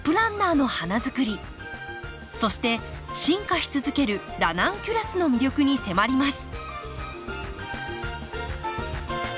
そして進化し続けるラナンキュラスの魅力に迫ります